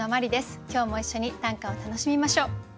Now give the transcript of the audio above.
今日も一緒に短歌を楽しみましょう。